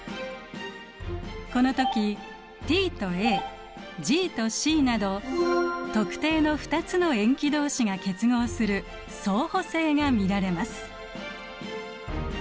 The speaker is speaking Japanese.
この時「Ｔ」と「Ａ」「Ｇ」と「Ｃ」など特定の２つの塩基どうしが結合する「相補性」が見られます。